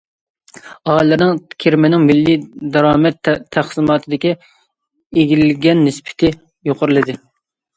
ئاھالىلەرنىڭ كىرىمىنىڭ مىللىي دارامەت تەقسىماتىدىكى ئىگىلىگەن نىسبىتى يۇقىرىلىدى.